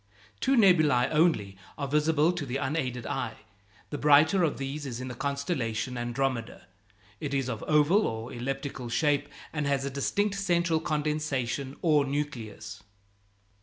Two nebulæ only are visible to the unaided eye. The brighter of these is in the constellation Andromeda; it is of oval or elliptical shape, and has a distinct central condensation or nucleus.